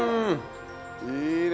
いいね。